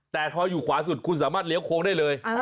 แต่พออยู่ขวาสุดคุณสามารถเลี้ยวโค้งได้เลย